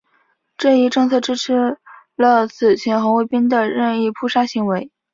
这一政策支持了此前红卫兵的任意扑杀行为。